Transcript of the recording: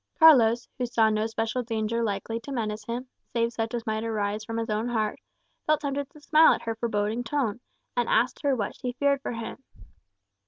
Carlos, who saw no special danger likely to menace him, save such as might arise from his own heart, felt tempted to smile at her foreboding tone, and asked her what she feared for him.